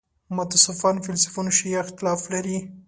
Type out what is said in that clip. متصوفان فیلسوفان شیعه اختلاف لري.